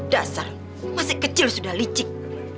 dasar masih kecil sudah licik